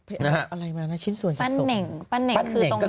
เอาอะไรมาชิ้นส่วนชิ้นส่วนปั้นเน่งคือตรงนักผ่าน